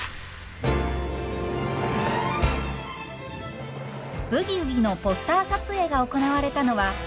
「ブギウギ」のポスター撮影が行われたのはレトロな長屋。